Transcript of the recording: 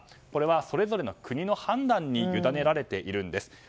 これは、それぞれの国の判断に委ねられているんです。